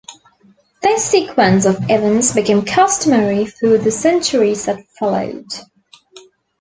This sequence of events became customary for the centuries that followed.